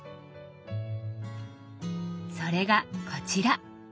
それがこちら。